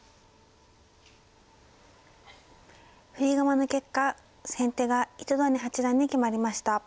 振り駒の結果先手が糸谷八段に決まりました。